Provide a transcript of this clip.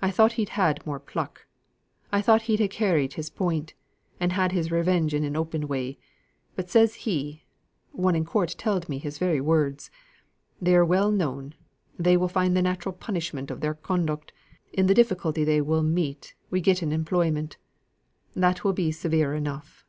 I thought he'd ha' carried his point, and had his revenge in an open way; but says he (one in court telled me his very words) 'they are well known; they will find the natural punishment of their conduct, in the difficulty they will meet wi' in getting employment. That will be severe enough.